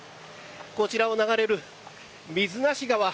こちらを流れる水無川。